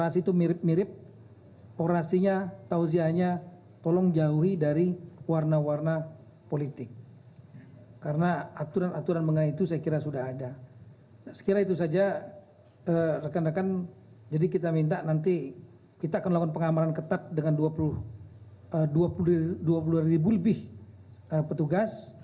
sekiranya itu saja rekan rekan jadi kita minta nanti kita akan melakukan pengamaran ketat dengan dua puluh dua ribu lebih petugas